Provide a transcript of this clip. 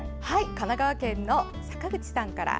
神奈川県の坂口さんから。